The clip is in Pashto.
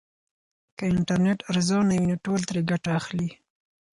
که انټرنیټ ارزانه وي نو ټول ترې ګټه اخلي.